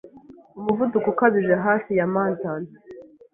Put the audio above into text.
umuvuduko ukabije hafi ya mantant